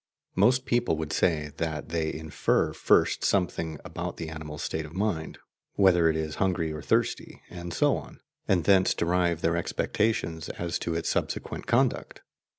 Most people would say that they infer first something about the animal's state of mind whether it is hungry or thirsty and so on and thence derive their expectations as to its subsequent conduct.